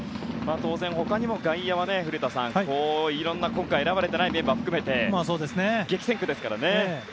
当然、他にも外野は古田さん、いろんな選ばれていないメンバー含めて激戦区ですからね。